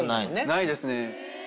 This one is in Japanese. ないですね。